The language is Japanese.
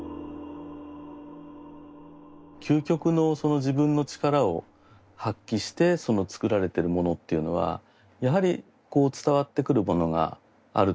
究極のその自分の力を発揮して作られてるものっていうのはやはり伝わってくるものがあると思うんですよね。